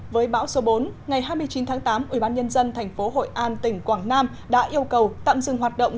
với bão số bốn ngày hai mươi chín tháng tám ubnd tp hội an tỉnh quảng nam đã yêu cầu tạm dừng hoạt động